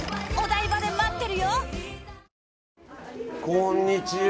こんにちは。